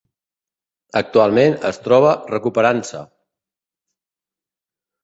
Actualment es troba recuperant-se.